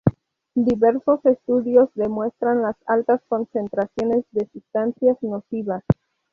Diversos estudios demuestran las altas concentraciones de sustancias nocivas.